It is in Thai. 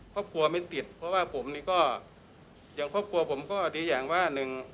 ครอบครัวไม่ติดเพราะว่าผมนี่ก็อย่างครอบครัวผมก็ดีอย่างว่าหนึ่ง